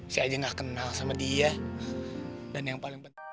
saya aja gak kenal sama dia